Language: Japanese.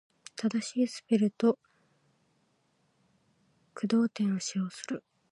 正しいスペルと句読点を使用する。